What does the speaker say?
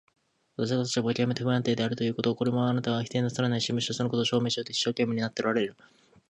私の立場がきわめて不安定であるということ、これはあなたも否定なさらないし、むしろそのことを証明しようと一生懸命になっておられる。